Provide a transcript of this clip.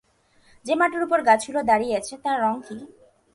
যে-মাটির উপর গাছগুলি দাঁড়িয়ে আছে, তার রঙ কী?